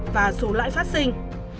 và số lãi phát sinh